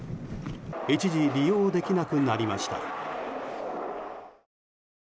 一時、利用できなくなりました。